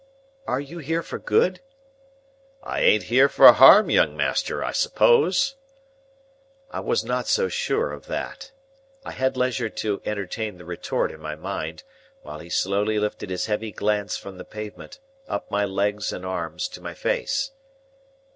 "Are you here for good?" "I ain't here for harm, young master, I suppose?" I was not so sure of that. I had leisure to entertain the retort in my mind, while he slowly lifted his heavy glance from the pavement, up my legs and arms, to my face.